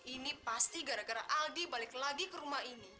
ini pasti gara gara aldi balik lagi ke rumah ini